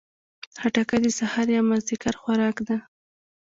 خټکی د سهار یا مازدیګر خوراک ده.